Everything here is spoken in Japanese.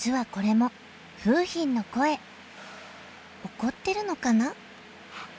怒ってるのかな？